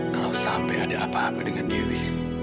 kalau sampai ada apa apa dengan dewi